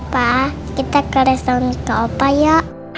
pa kita ke restaurant ke opa ya